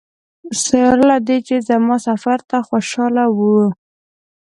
سره له دې چې زما سفر ته خوشاله وه.